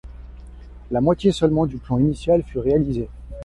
La moitié seulement du plan initial fut réalisé.